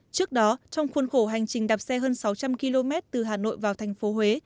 trước đó trong khuôn khổ hành trình đạp xe hơn sáu trăm linh km từ hà nội vào thành phố huế